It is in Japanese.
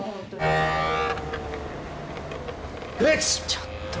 ちょっと。